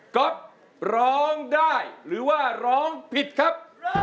๊อฟร้องได้หรือว่าร้องผิดครับ